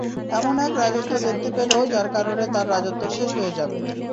এমন এক রাজত্ব দেখতে পেল যার কারণে তাঁর রাজত্ব শেষ হয়ে যাবে।